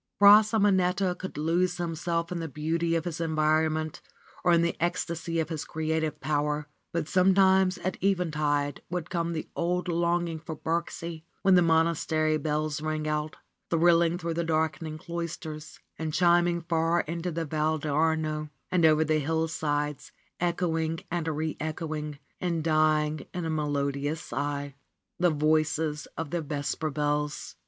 Fra Simonetta could lose himself in the beauty of his environment or in the ecstasy of his creative power, but sometimes at eventide would come the old longing for Birksie when the monastery bells rang out, thrilling through the darkening cloisters, and chiming far into the 112 RENUNCIATION OF FRA SIMONETTA Val d'Arno, and over the hillsides, echoing and re echo ing, and dying in a melodious sigh. The voices of the vesper bells